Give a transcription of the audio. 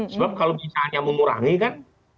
sebab kalau misalnya mengurangi kan